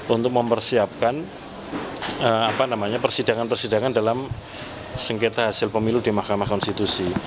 untuk mempersiapkan persidangan persidangan dalam sengketa hasil pemilu di mahkamah konstitusi